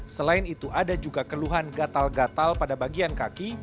selain itu ada juga keluhan gatal gatal pada bagian kaki